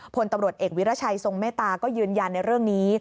พลตำรวจเอกวิรัชัยทรงเมตตาก็ยืนยันในเรื่องนี้